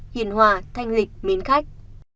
hiền hòa thanh lịch mến khách